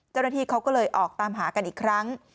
เจ้าหน้าที่เขาก็เลยออกตามหากันอีกครั้ง